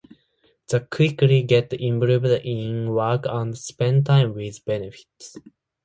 They quickly get involved in work and spend time with benefits.